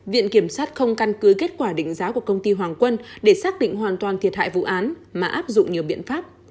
viện kiểm sát không căn cứ kết quả định giá của công ty hoàng quân để xác định hoàn toàn thiệt hại vụ án mà áp dụng nhiều biện pháp